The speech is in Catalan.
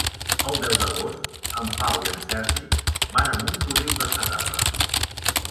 El deu d'agost en Pau i en Sergi van a Montoliu de Segarra.